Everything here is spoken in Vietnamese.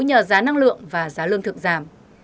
nhờ giá năng lượng và giá lương thực giảm